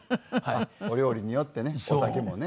お料理によってねお酒もね。